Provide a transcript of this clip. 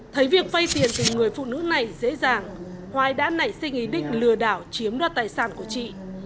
thấy việc vay tiền của người phụ nữ này dễ dàng hoài đã nảy sinh ý định lừa đảo chiếm đoạt tài sản của chị